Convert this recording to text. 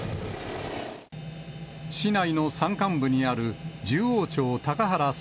市内の山間部にある十王町高原・沢